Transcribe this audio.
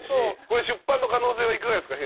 これ出版の可能性はいかがですか？